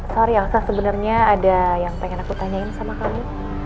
sorry aksa sebenarnya ada yang pengen aku tanyain sama kamu